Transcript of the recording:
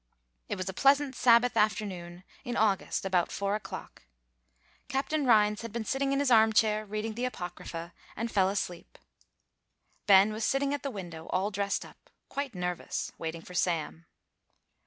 It was a pleasant Sabbath afternoon, in August, about four o'clock. Captain Rhines had been sitting in his arm chair reading the Apocrypha, and fell asleep. Ben was sitting at the window, all dressed up, quite nervous, waiting for Sam.